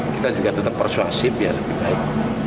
kita tetap persuasif ya lebih baik